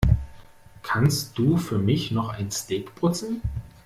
Kannst du für mich noch ein Steak brutzeln?